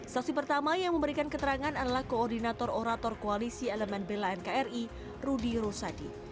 saksi pertama yang memberikan keterangan adalah koordinator orator koalisi elemen bla nkri rudy rusadi